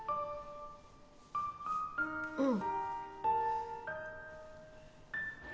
うん。